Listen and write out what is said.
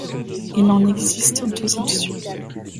Il en existe deux éditions.